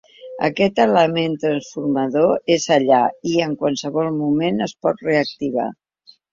Aquest element transformador és allà i en qualsevol moment es pot reactivar.